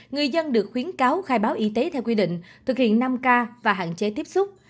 người dân được khuyến cáo khai báo y tế theo quy định thực hiện năm k và hạn chế tiếp xúc